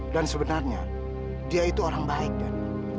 dan sebenarnya dia itu orang baik dan